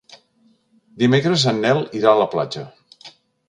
Dimecres en Nel irà a la platja.